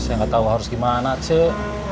saya nggak tahu harus gimana sih